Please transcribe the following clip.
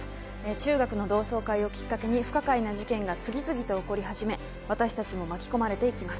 中学の同窓会をきっかけに不可解な事件が次々と起こり始め私たちも巻き込まれていきます